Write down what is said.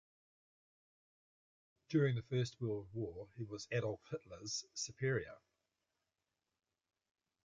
During the First World War he was Adolf Hitler's superior.